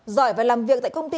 giỏi và làm việc tại công ty